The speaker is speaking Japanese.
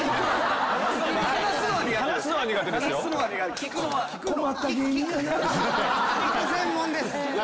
聞く専門です。